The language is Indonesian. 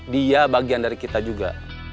dia bagian dari kita juga